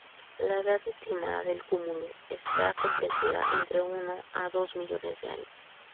La edad estimada del cúmulo está comprendida entre uno a dos millones de años.